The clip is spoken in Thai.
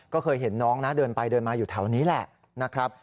ก็เคยเห็นน้องนะเดินไปเดินมาอยู่แถวนี้แหละนะครับ